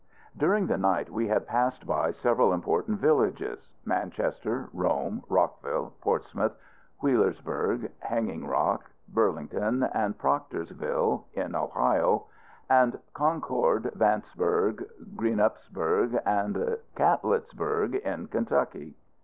During the night we had passed by several important villages, Manchester, Rome, Rockville, Portsmouth, Wheelersburg, Hanging Rock, Burlington, and Proctorsville, in Ohio; and Concord, Vanceburg, Greenupsburg, and Catlettsburg, in Kentucky.